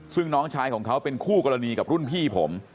ซึ่งน้องชายของเขาเป็นคู่กรณีกับรุ่นพี่ผม